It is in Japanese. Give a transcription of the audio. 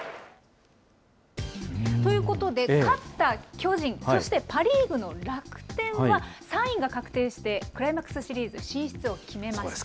ということで、勝った巨人、そしてパ・リーグの楽天は、３位が確定して、クライマックスシリーズ進出を決めました。